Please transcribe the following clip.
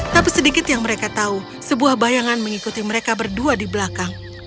tapi sedikit yang mereka tahu sebuah bayangan mengikuti mereka berdua di belakang